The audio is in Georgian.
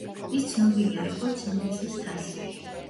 ის ცნობილია როგორც ინგლისის თასი.